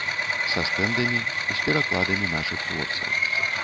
Са стэндамі, з перакладамі нашых творцаў.